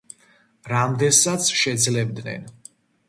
რამდენსაც შეძლებდნენ.